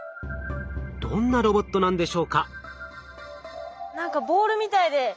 どんなロボットなんでしょうか？